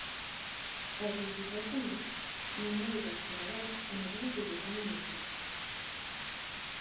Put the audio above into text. El vint-i-tres de maig na Neida i na Bet aniran a visitar mon oncle.